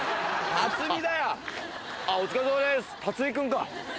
辰巳君か。